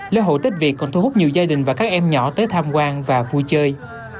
lễ hội tết việt còn thu hút nhiều gia đình và các em nhỏ tới tham quan và vui chơi